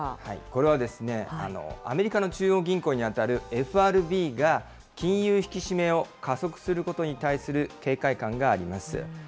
これは、アメリカの中央銀行に当たるＦＲＢが金融引き締めを加速することに対する警戒感があります。